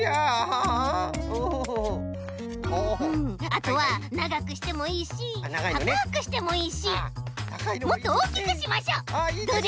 あとはながくしてもいいしたかくしてもいいしもっとおおきくしましょう！